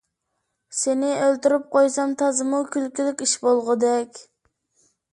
سېنى ئۆلتۈرۈپ قويسام، تازىمۇ كۈلكىلىك ئىش بولغۇدەك.